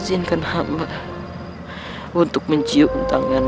allah mohon ya allah